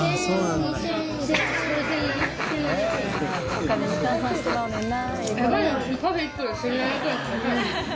お金に換算してまうねんな。